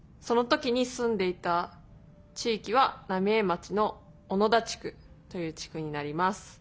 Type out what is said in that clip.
その時に住んでいた地域は浪江町の小野田地区という地区になります。